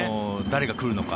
誰が来るのか